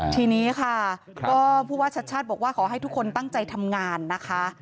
ทีนี้ค่ะก็ผู้ว่าชัดชาติบอกว่าขอให้ทุกคนตั้งใจทำงานนะคะ